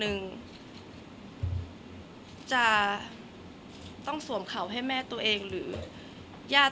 แต่ขวัญไม่สามารถสวมเขาให้แม่ขวัญและคนในครอบครัวขวัญได้